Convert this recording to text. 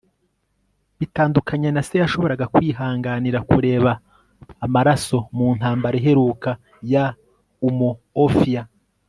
bitandukanye na se yashoboraga kwihanganira kureba amaraso. mu ntambara iheruka ya umuofia